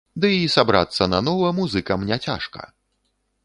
Ды і сабрацца нанова музыкам не цяжка!